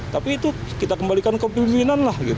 tapi itu kita kembalikan ke pimpinan lah